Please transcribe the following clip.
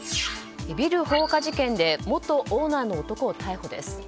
ビル放火事件で元オーナーの男を逮捕です。